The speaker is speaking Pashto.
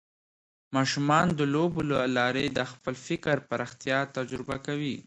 ماشومان د لوبو له لارې د خپل فکر پراختیا تجربه کوي.